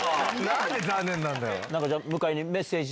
何で残念なんだよ！